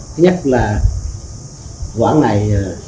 thứ nhất là quảng này